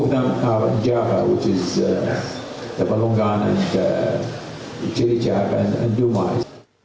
kedua duanya adalah jawa yang adalah balongan dan jeli jawa dan dumai